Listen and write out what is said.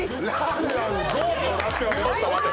ちょっと待て。